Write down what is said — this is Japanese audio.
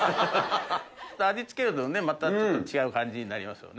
味付けるとまたちょっと違う感じになりますよね。